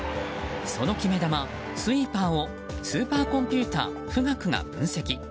その決め球、スイーパーをスーパーコンピューター「富岳」が分析。